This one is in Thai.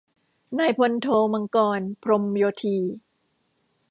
นายพลโท มังกร พรหมโยธี